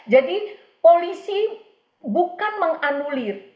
jadi polisi bukan menganulir